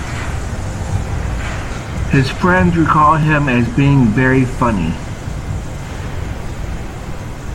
His friends recall him as being very funny.